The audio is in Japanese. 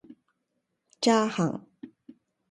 ちゃーはん